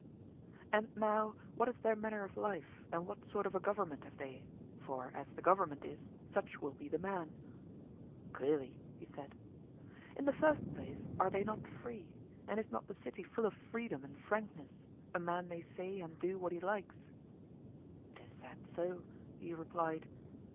And now what is their manner of life, and what sort of a government have they? for as the government is, such will be the man. Clearly, he said. In the first place, are they not free; and is not the city full of freedom and frankness—a man may say and do what he likes? 'Tis said so, he replied.